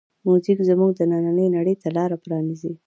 موزیک زمونږ دنننۍ نړۍ ته لاره پرانیزي.